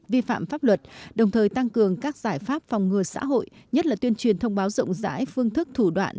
vi phạm pháp luật đồng thời tăng cường các giải pháp phòng ngừa xã hội nhất là tuyên truyền thông báo rộng rãi phương thức thủ đoạn